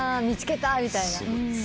見つけたみたいな。